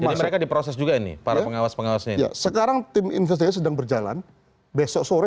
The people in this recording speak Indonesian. ini mereka diproses juga ini para pengawas pengawasnya sekarang tim investigasi sedang berjalan besok sore